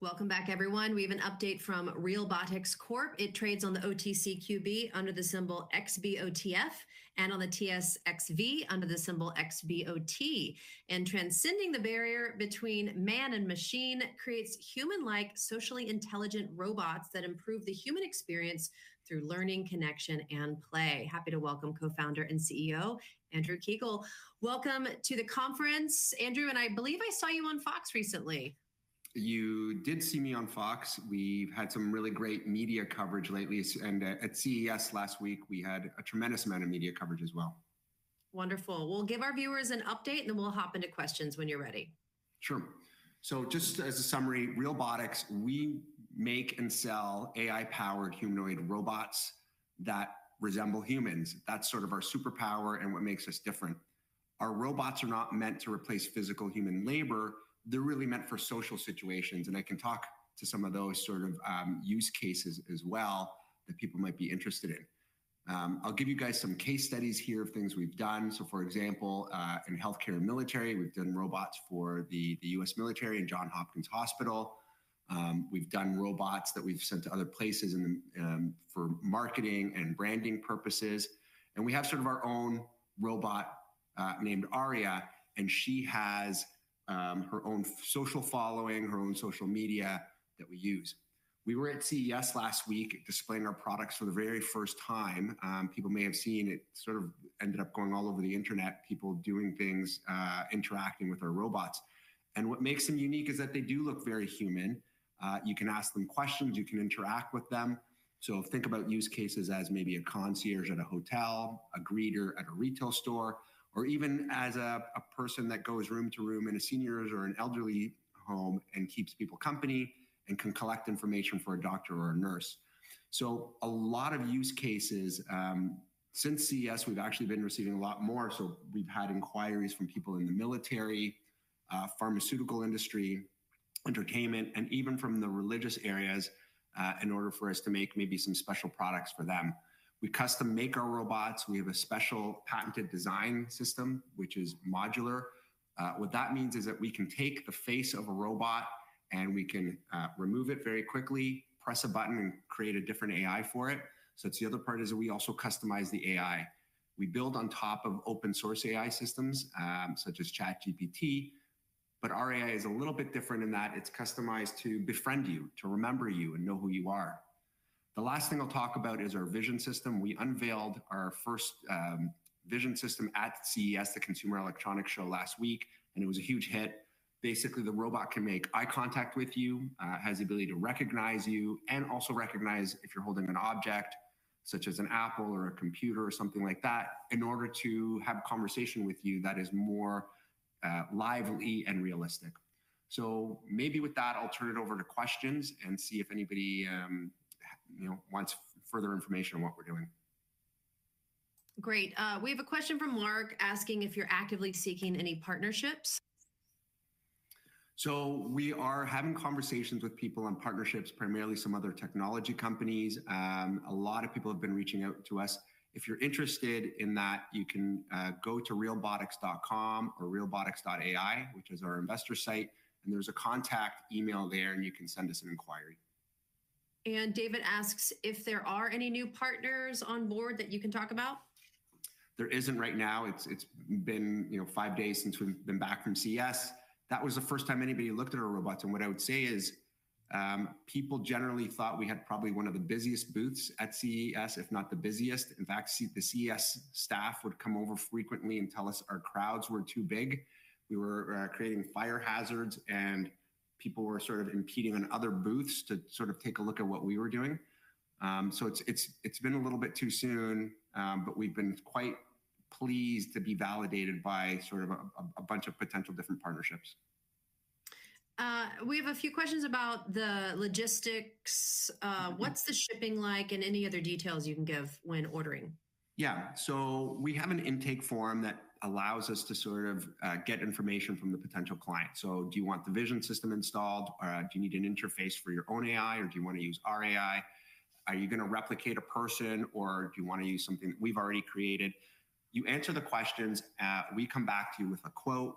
Welcome back, everyone. We have an update from Realbotix Corp. It trades on the OTCQB under the symbol XBOTF and on the TSXV under the symbol XBOT, and transcending the barrier between man and machine creates human-like, socially intelligent robots that improve the human experience through learning, connection, and play. Happy to welcome Co-founder and CEO Andrew Kiguel. Welcome to the conference, Andrew, and I believe I saw you on Fox recently. You did see me on Fox. We've had some really great media coverage lately, and at CES last week, we had a tremendous amount of media coverage as well. Wonderful. We'll give our viewers an update, and then we'll hop into questions when you're ready. Sure, so just as a summary, Realbotix, we make and sell AI-powered humanoid robots that resemble humans. That's sort of our superpower and what makes us different. Our robots are not meant to replace physical human labor. They're really meant for social situations, and I can talk to some of those sort of use cases as well that people might be interested in. I'll give you guys some case studies here of things we've done. So for example, in healthcare and military, we've done robots for the U.S. military and Johns Hopkins Hospital. We've done robots that we've sent to other places for marketing and branding purposes, and we have sort of our own robot named Aria, and she has her own social following, her own social media that we use. We were at CES last week displaying our products for the very first time. People may have seen it sort of ended up going all over the internet, people doing things, interacting with our robots, and what makes them unique is that they do look very human. You can ask them questions. You can interact with them, so think about use cases as maybe a concierge at a hotel, a greeter at a retail store, or even as a person that goes room to room in a senior's or an elderly home and keeps people company and can collect information for a doctor or a nurse, so a lot of use cases. Since CES, we've actually been receiving a lot more, so we've had inquiries from people in the military, pharmaceutical industry, entertainment, and even from the religious areas in order for us to make maybe some special products for them. We custom-make our robots. We have a special patented design system, which is modular. What that means is that we can take the face of a robot, and we can remove it very quickly, press a button, and create a different AI for it. So the other part is that we also customize the AI. We build on top of open-source AI systems such as ChatGPT, but our AI is a little bit different in that it's customized to befriend you, to remember you, and know who you are. The last thing I'll talk about is our vision system. We unveiled our first vision system at CES, the Consumer Electronics Show, last week, and it was a huge hit. Basically, the robot can make eye contact with you, has the ability to recognize you, and also recognize if you're holding an object such as an apple or a computer or something like that in order to have a conversation with you that is more lively and realistic. So maybe with that, I'll turn it over to questions and see if anybody wants further information on what we're doing. Great. We have a question from Mark asking if you're actively seeking any partnerships. So we are having conversations with people on partnerships, primarily some other technology companies. A lot of people have been reaching out to us. If you're interested in that, you can go to realbotix.com or realbotix.ai, which is our investor site, and there's a contact email there, and you can send us an inquiry. David asks if there are any new partners on board that you can talk about. There isn't right now. It's been five days since we've been back from CES. That was the first time anybody looked at our robots, and what I would say is people generally thought we had probably one of the busiest booths at CES, if not the busiest. In fact, the CES staff would come over frequently and tell us our crowds were too big. We were creating fire hazards, and people were sort of impeding on other booths to sort of take a look at what we were doing, so it's been a little bit too soon, but we've been quite pleased to be validated by sort of a bunch of potential different partnerships. We have a few questions about the logistics. What's the shipping like and any other details you can give when ordering? Yeah. So we have an intake form that allows us to sort of get information from the potential client. So do you want the vision system installed? Do you need an interface for your own AI, or do you want to use our AI? Are you going to replicate a person, or do you want to use something that we've already created? You answer the questions. We come back to you with a quote.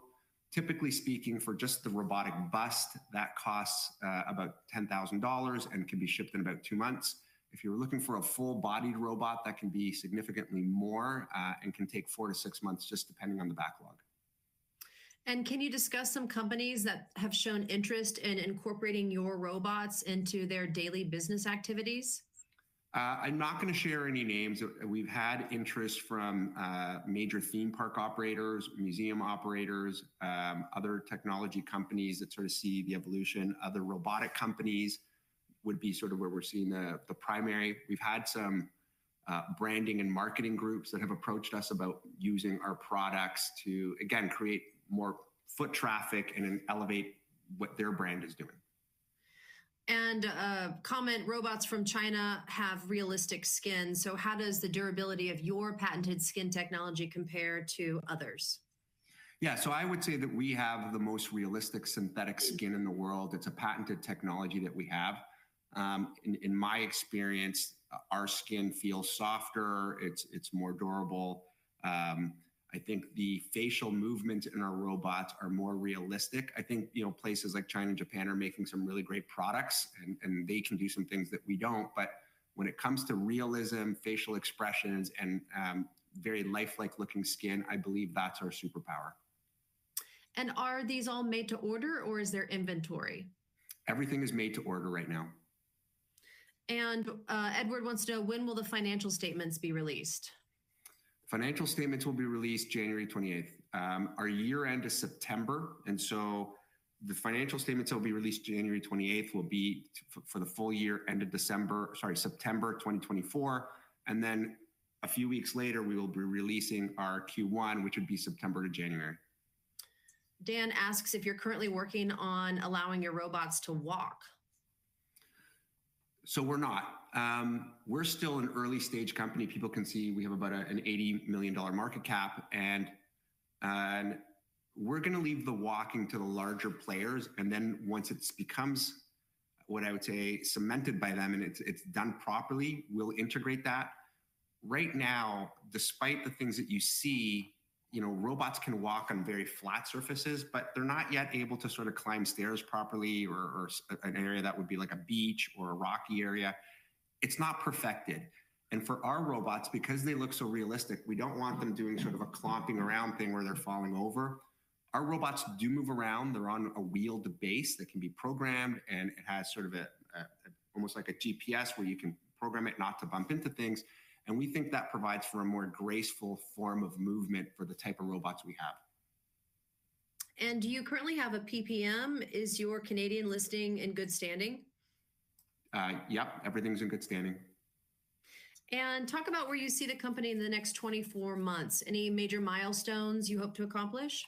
Typically speaking, for just the robotic bust, that costs about $10,000 and can be shipped in about two months. If you're looking for a full-bodied robot, that can be significantly more and can take four to six months just depending on the backlog. Can you discuss some companies that have shown interest in incorporating your robots into their daily business activities? I'm not going to share any names. We've had interest from major theme park operators, museum operators, other technology companies that sort of see the evolution. Other robotic companies would be sort of where we're seeing the primary. We've had some branding and marketing groups that have approached us about using our products to, again, create more foot traffic and elevate what their brand is doing. A comment: robots from China have realistic skin. So how does the durability of your patented skin technology compare to others? Yeah. So I would say that we have the most realistic synthetic skin in the world. It's a patented technology that we have. In my experience, our skin feels softer. It's more durable. I think the facial movements in our robots are more realistic. I think places like China and Japan are making some really great products, and they can do some things that we don't. But when it comes to realism, facial expressions, and very lifelike-looking skin, I believe that's our superpower. Are these all made to order, or is there inventory? Everything is made to order right now. Edward wants to know, when will the financial statements be released? Financial statements will be released January 28th. Our year-end is September, and so the financial statements that will be released January 28th will be for the full year, end of December, sorry, September 2024. And then a few weeks later, we will be releasing our Q1, which would be September to January. Dan asks if you're currently working on allowing your robots to walk. So we're not. We're still an early-stage company. People can see we have about an $80 million market cap, and we're going to leave the walking to the larger players. And then once it becomes what I would say cemented by them and it's done properly, we'll integrate that. Right now, despite the things that you see, robots can walk on very flat surfaces, but they're not yet able to sort of climb stairs properly or an area that would be like a beach or a rocky area. It's not perfected. And for our robots, because they look so realistic, we don't want them doing sort of a clumping around thing where they're falling over. Our robots do move around. They're on a wheeled base that can be programmed, and it has sort of almost like a GPS where you can program it not to bump into things. We think that provides for a more graceful form of movement for the type of robots we have. Do you currently have a PPM? Is your Canadian listing in good standing? Yep. Everything's in good standing. Talk about where you see the company in the next 24 months. Any major milestones you hope to accomplish?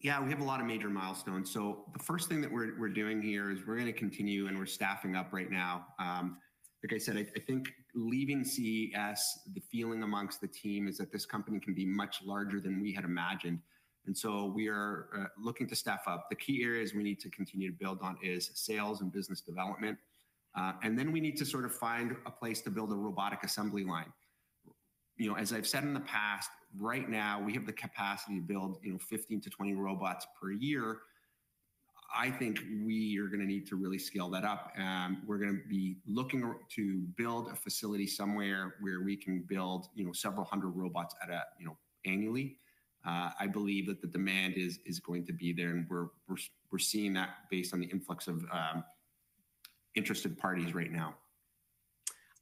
Yeah. We have a lot of major milestones. So the first thing that we're doing here is we're going to continue, and we're staffing up right now. Like I said, I think leaving CES, the feeling amongst the team is that this company can be much larger than we had imagined. And so we are looking to staff up. The key areas we need to continue to build on are sales and business development. And then we need to sort of find a place to build a robotic assembly line. As I've said in the past, right now, we have the capacity to build 15-20 robots per year. I think we are going to need to really scale that up. We're going to be looking to build a facility somewhere where we can build several hundred robots annually. I believe that the demand is going to be there, and we're seeing that based on the influx of interested parties right now.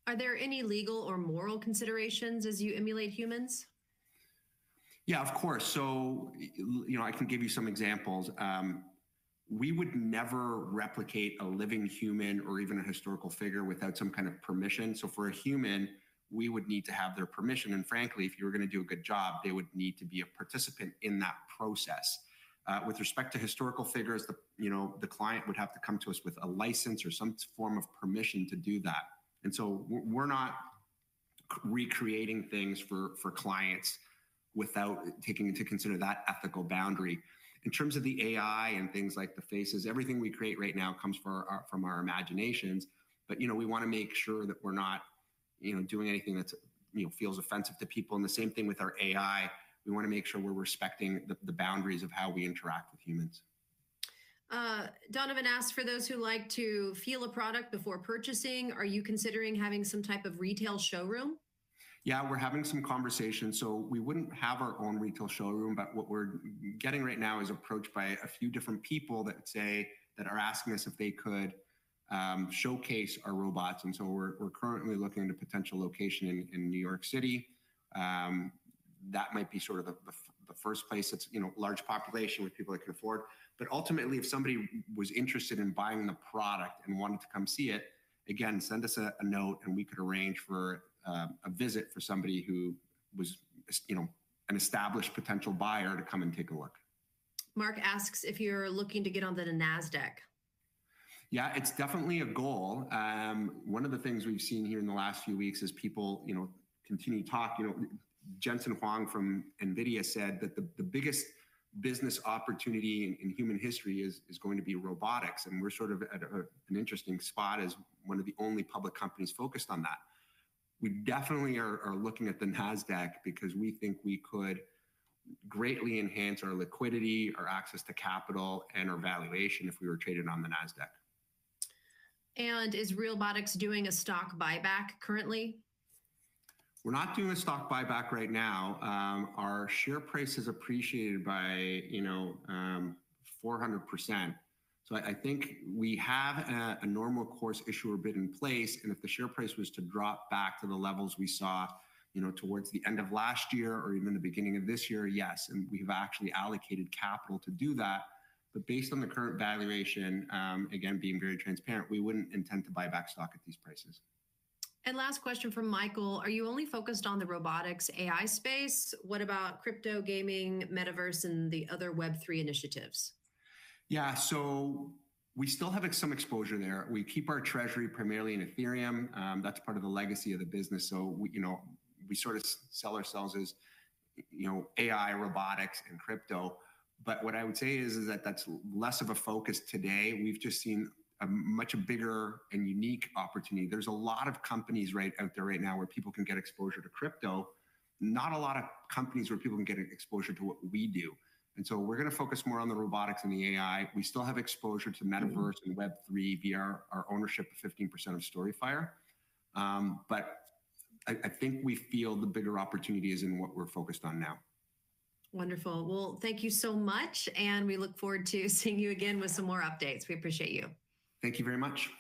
Are there any legal or moral considerations as you emulate humans? Yeah, of course. So I can give you some examples. We would never replicate a living human or even a historical figure without some kind of permission. So for a human, we would need to have their permission. And frankly, if you were going to do a good job, they would need to be a participant in that process. With respect to historical figures, the client would have to come to us with a license or some form of permission to do that. And so we're not recreating things for clients without taking into consideration that ethical boundary. In terms of the AI and things like the faces, everything we create right now comes from our imaginations, but we want to make sure that we're not doing anything that feels offensive to people. And the same thing with our AI. We want to make sure we're respecting the boundaries of how we interact with humans. Donovan asks, for those who like to feel a product before purchasing, are you considering having some type of retail showroom? Yeah. We're having some conversations, so we wouldn't have our own retail showroom, but what we're getting right now is approached by a few different people that are asking us if they could showcase our robots, and so we're currently looking at a potential location in New York City. That might be sort of the first place that's large population with people that can afford, but ultimately, if somebody was interested in buying the product and wanted to come see it, again, send us a note, and we could arrange for a visit for somebody who was an established potential buyer to come and take a look. Mark asks if you're looking to get on the Nasdaq. Yeah. It's definitely a goal. One of the things we've seen here in the last few weeks is people continue to talk. Jensen Huang from NVIDIA said that the biggest business opportunity in human history is going to be robotics, and we're sort of at an interesting spot as one of the only public companies focused on that. We definitely are looking at the Nasdaq because we think we could greatly enhance our liquidity, our access to capital, and our valuation if we were traded on the Nasdaq. Is Realbotix doing a stock buyback currently? We're not doing a stock buyback right now. Our share price has appreciated by 400%. So I think we have a Normal Course Issuer Bid in place, and if the share price was to drop back to the levels we saw towards the end of last year or even the beginning of this year, yes. And we've actually allocated capital to do that. But based on the current valuation, again, being very transparent, we wouldn't intend to buy back stock at these prices. Last question from Michael. Are you only focused on the robotics AI space? What about crypto, gaming, metaverse, and the other web3 initiatives? Yeah. So we still have some exposure there. We keep our treasury primarily in Ethereum. That's part of the legacy of the business. So we sort of sell ourselves as AI, robotics, and crypto. But what I would say is that that's less of a focus today. We've just seen a much bigger and unique opportunity. There's a lot of companies out there right now where people can get exposure to crypto. Not a lot of companies where people can get exposure to what we do. And so we're going to focus more on the robotics and the AI. We still have exposure to metaverse and web3 via our ownership of 15% of StoryFire. But I think we feel the bigger opportunity is in what we're focused on now. Wonderful. Well, thank you so much, and we look forward to seeing you again with some more updates. We appreciate you. Thank you very much.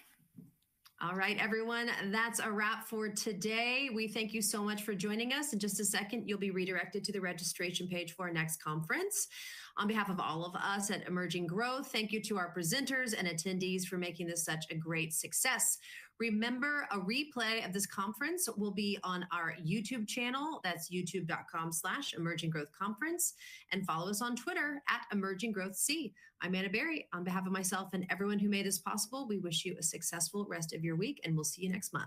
All right, everyone. That's a wrap for today. We thank you so much for joining us. In just a second, you'll be redirected to the registration page for our next conference. On behalf of all of us at Emerging Growth, thank you to our presenters and attendees for making this such a great success. Remember, a replay of this conference will be on our YouTube channel. That's youtube.com/emerginggrowthconference. And follow us on Twitter @EmergingGrowthC. I'm Ana Berry. On behalf of myself and everyone who made this possible, we wish you a successful rest of your week, and we'll see you next month.